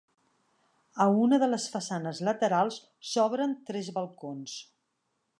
A una de les façanes laterals s'obren tres balcons.